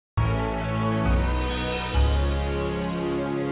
kita seluar di lemari datang